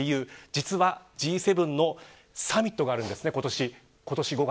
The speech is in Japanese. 実はＧ７のサミットがあるんです今年５月。